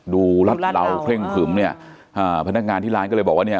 รัดเหลาเคร่งขึมเนี่ยอ่าพนักงานที่ร้านก็เลยบอกว่าเนี่ย